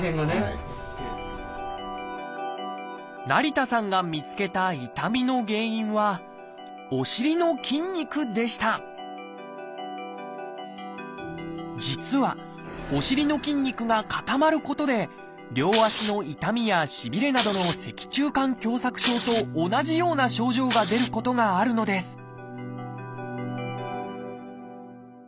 成田さんが見つけた痛みの原因はお尻の筋肉でした実はお尻の筋肉が固まることで両足の痛みやしびれなどの脊柱管狭窄症と同じような症状が出ることがあるのです